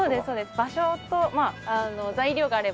場所と材料があれば。